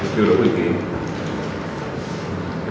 chưa đủ điều kiện